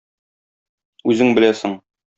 Үзең беләсең.